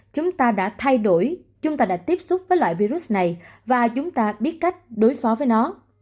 chúng ta đã thay đổi chúng ta đã tiếp xúc với loại virus này và chúng ta biết cách đối phó với nó